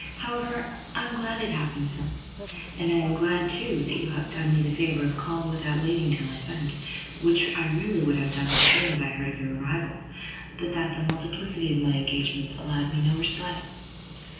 However, I am glad it happened so. And I am glad, too, that you have done me the favour of calling without waiting till I sent, which I really would have done as soon as I heard of your arrival, but that the multiplicity of my engagements allowed me no respite."